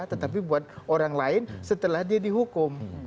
tetapi buat orang lain setelah dia dihukum